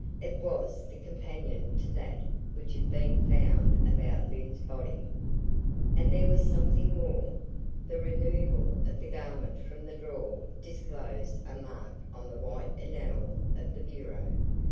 It was the companion to that which had been found about Lyne's body. And there was something more. The removal of the garment from the drawer disclosed a mark on the white enamel of the bureau.